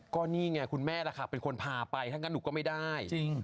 ก็นี่ไงคุณแม่แหละค่ะเป็นคนพาไปถ้าหนูก็ไม่ได้จริง